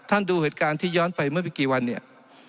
ดูเหตุการณ์ที่ย้อนไปเมื่อไม่กี่วันเนี่ย